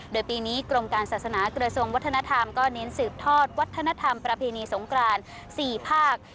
โดยปีนี้กรมการศาสนากระทรวงวัฒนธรรมก็เน้นสืบทอดวัฒนธรรมประเพณีสงกราน๔ภาค